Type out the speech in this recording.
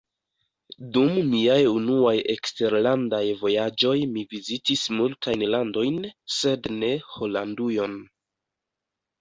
Dum miaj unuaj eksterlandaj vojaĝoj mi vizitis multajn landojn, sed ne Holandujon.